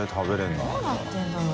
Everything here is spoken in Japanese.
どうなってるんだろう？